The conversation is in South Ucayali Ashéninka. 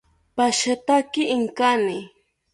Pashetaki inkani